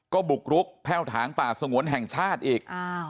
ก็บุกรุกแพ่วถางป่าสงวนแห่งชาติอีก